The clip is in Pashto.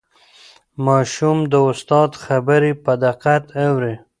ماشوم د استاد خبرې په دقت اوري